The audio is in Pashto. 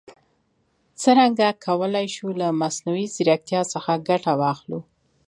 څرنګه کولای شو له مصنوعي ځیرکتیا څخه ګټه واخلو؟